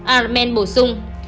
arben bổ sung